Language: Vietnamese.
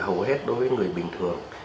mà hầu hết đối với người bình thường